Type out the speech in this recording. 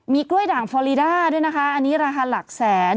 มีกล้วยด่างฟอรีด้าด้วยนะคะอันนี้ราคาหลักแสน